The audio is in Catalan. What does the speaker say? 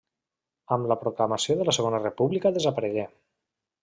Amb la proclamació de la Segona República desaparegué.